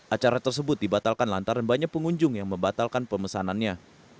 acara tersebut dibatalkan lantaran banyak pengunjung yang membatalkan pemesanannya